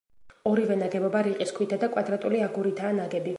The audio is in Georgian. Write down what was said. ორივე ნაგებობა რიყის ქვითა და კვადრატული აგურითაა ნაგები.